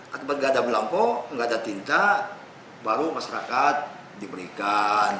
kebetulannya tidak ada belangko tidak ada tinta baru masyarakat diberikan